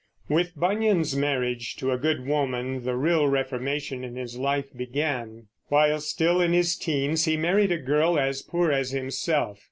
With Bunyan's marriage to a good woman the real reformation in his life began. While still in his teens he married a girl as poor as himself.